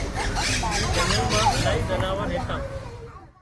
اي جنڳل مان الاهي زناور ريتان